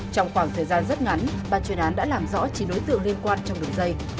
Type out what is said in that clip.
trong khoảng thời gian rất ngắn bàn chuyên án đã làm rõ chín đối tượng liên quan trong đường dây